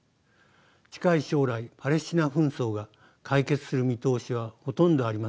近い将来パレスチナ紛争が解決する見通しはほとんどありません。